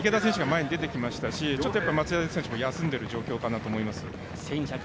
今、池田選手が前に出てきましたし松枝選手も待ってる状態かと思います。